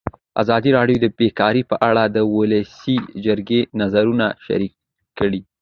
ازادي راډیو د بیکاري په اړه د ولسي جرګې نظرونه شریک کړي.